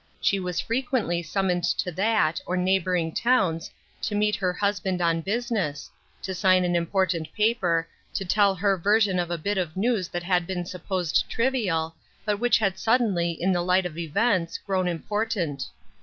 She was frequently summoned to that, or neighboring towns, to meet her husband on business — to sign an important paper, to tell her version of a bit of news that had been supposed trivial, but which had suddenly, in the light of events, grown important.